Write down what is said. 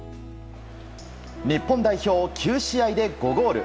日本代表、９試合で５ゴール。